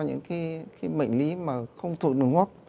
những cái bệnh lý mà không thuộc đường hấp